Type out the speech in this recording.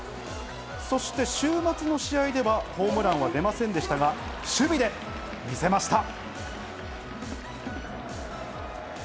そして週末の試合ではホームランは出ませんでしたが守備でみせました。